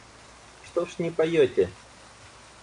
Что ж не поете?